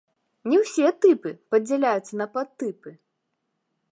Не ўсе тыпы падзяляюцца на падтыпы.